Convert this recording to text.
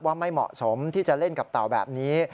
ไม่เหมาะสมที่จะเล่นกับเต่าแบบนี้